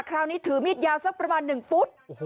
คราวนี้ถือมีดยาวสักประมาณ๑ฟุต